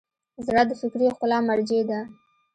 زړه د فکري ښکلا مرجع ده.